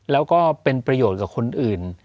แล้วก็เป็นประโยชน์กับคนอื่น